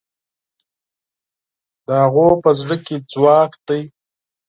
د هغوی په زړه کې ځواک دی.